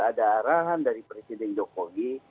ada arahan dari presiden jokowi